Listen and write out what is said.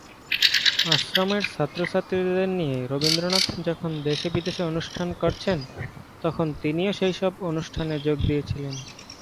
আশ্রমের ছাত্র ছাত্রীদের নিয়ে রবীন্দ্রনাথ যখন দেশে বিদেশে অনুষ্ঠান করছেন তখন তিনিও সেইসব অনুষ্ঠানে যোগ দিয়েছিলেন।